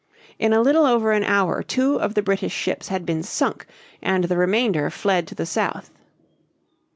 In a little over an hour two of the British ships had been sunk and the remainder fled to the south.